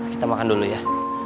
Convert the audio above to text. kita makan dulu ya